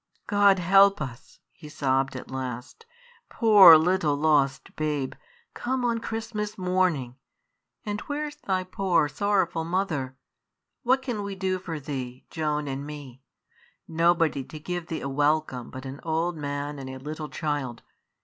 "God help us!" he sobbed at last; "poor little lost babe! Come on Christmas mornin'! And where's thy poor, sorrowful mother? What can we do for thee, Joan and me? Nobody to give thee a welcome but an old man and a little child.